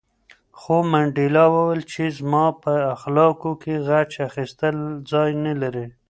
خو منډېلا وویل چې زما په اخلاقو کې غچ اخیستل ځای نه لري.